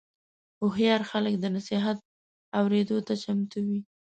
هوښیار خلک د نصیحت اورېدو ته چمتو وي.